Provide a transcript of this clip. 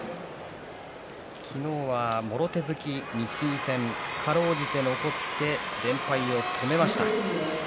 昨日はもろ手突き、錦木戦。かろうじて残って連敗を止めました。